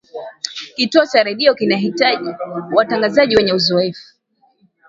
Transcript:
kituo cha redio kinahitaji watangazaji wenye uzoefu